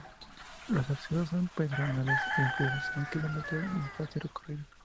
Los accesos son peatonales e inferiores a un kilómetro y de fácil recorrido.